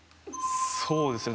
そうですね。